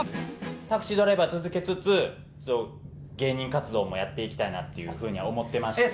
タクシードライバー続けつつ、芸人活動もやっていきたいなっていうふうには思ってまして。